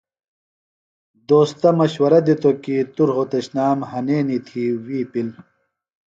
دوستہ مشورہ دِتوۡ کیۡ توۡ رھوتشنام ہنینیۡ تھی وی پِل۔